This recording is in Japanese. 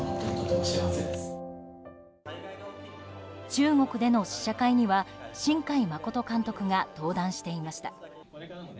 中国での試写会には新海誠監督が登壇していました。